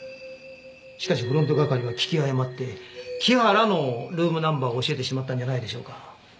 しかしフロント係は聞き誤って木原のルームナンバーを教えてしまったんじゃないでしょうか。